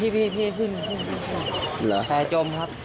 พี่ขึ้นแพร่จมครับ